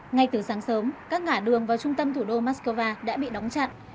ngay từ sáng sớm các ngã đường vào trung tâm thủ đô moscow đã bị đóng chặn